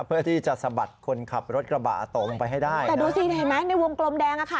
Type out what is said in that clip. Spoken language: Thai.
เพื่อที่จะสะบัดคนขับรถกระบะตกลงไปให้ได้แต่ดูสิเห็นไหมในวงกลมแดงอ่ะค่ะ